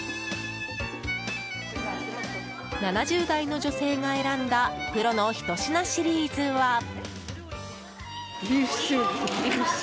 ７０代の女性が選んだプロの一品シリーズは。